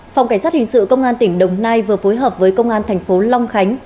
phòng cảnh sát hình sự công an tỉnh đồng nai vừa phối hợp với công an thành phố long khánh